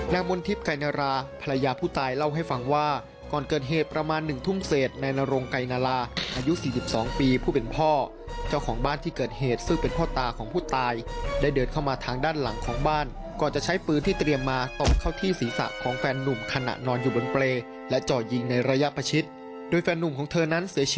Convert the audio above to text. มนทิพย์ไก่นาราภรรยาผู้ตายเล่าให้ฟังว่าก่อนเกิดเหตุประมาณ๑ทุ่มเศษในนรงไกรนาราอายุ๔๒ปีผู้เป็นพ่อเจ้าของบ้านที่เกิดเหตุซึ่งเป็นพ่อตาของผู้ตายได้เดินเข้ามาทางด้านหลังของบ้านก่อนจะใช้ปืนที่เตรียมมาตบเข้าที่ศีรษะของแฟนนุ่มขณะนอนอยู่บนเปรย์และจ่อยิงในระยะประชิดโดยแฟนนุ่มของเธอนั้นเสีย